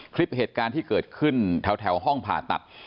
คลิปเหตุการณ์ที่เกิดขึ้นแถวห้องผ่าตัด